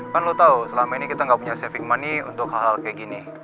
kan lo tau selama ini kita nggak punya civic money untuk hal hal kayak gini